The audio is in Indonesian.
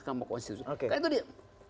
karena itu dia